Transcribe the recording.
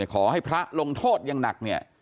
ขอให้พระลงโทษอย่างหนัก